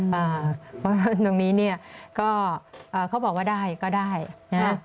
เพราะตรงนี้ก็เขาบอกว่าได้ก็ได้นะ